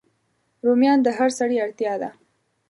رومیان د هر سړی اړتیا ده